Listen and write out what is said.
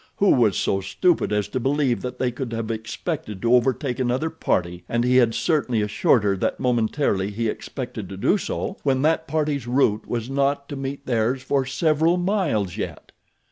Who was so stupid as to believe that they could have expected to overtake another party, and he had certainly assured her that momentarily he expected to do so, when that party's route was not to meet theirs for several miles yet?